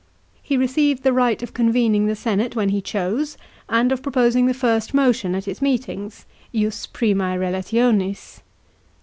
He received the right of convening the senate when he chose,* and of proposing the first motion at its meetings (ius primas relationis).